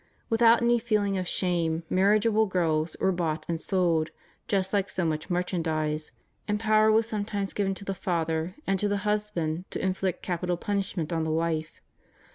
Without any feeling of shame marriageable girls were bought and sold, just hke so much merchandise;^ and power was sometimes given to the father and to the husband to inflict capital punishment on the wife.